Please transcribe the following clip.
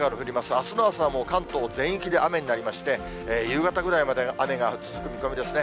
あすの朝は関東全域で雨になりまして、夕方ぐらいまで雨が続く見込みですね。